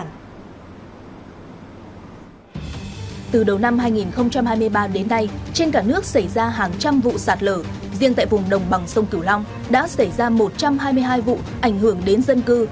riêng tại vùng đồng bằng sông cửu long đã xảy ra một trăm hai mươi hai vụ ảnh hưởng đến dân cư